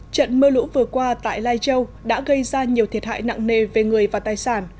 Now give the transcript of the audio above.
trận mưa lũ vừa qua tại lai châu đã gây ra nhiều thiệt hại nặng nề về người và tài sản